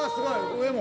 上も。